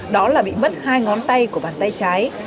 đó là bị mất hai ngón tay của bàn tay trái